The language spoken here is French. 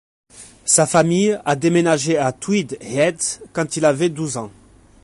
Sa famille a déménagé à Tweed Heads quand il avait douze ans.